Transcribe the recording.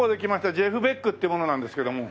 ジェフ・ベックって者なんですけども。